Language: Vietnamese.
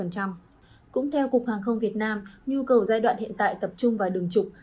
cũng theo cục hàng không việt nam nhu cầu giai đoạn hiện tại tập trung vào đường trục